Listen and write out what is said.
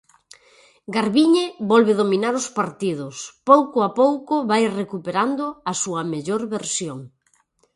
Garbiñe volve dominar os partidos, pouco a pouco vai recuperando a súa mellor versión.